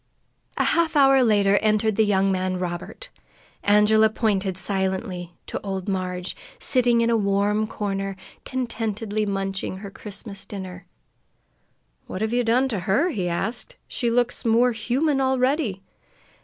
A half hour later entered the young man Robert. Angela pointed silently to old Marg, sitting in a warm corner, contentedly munching her Christmas dinner. "What have you done to her?" he asked. "She looks more human already."